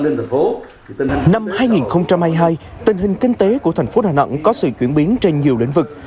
năm hai nghìn hai mươi hai tình hình kinh tế của thành phố đà nẵng có sự chuyển biến trên nhiều lĩnh vực